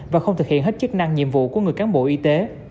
và không thực hiện hết chức năng nhiệm vụ của người cán bộ y tế